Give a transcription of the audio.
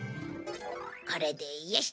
これでよし！